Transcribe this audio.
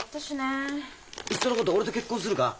いっそのこと俺と結婚するか？